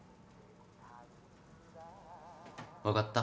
分かった。